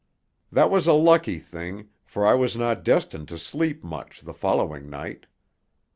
That was a lucky thing, for I was not destined to sleep much the following night.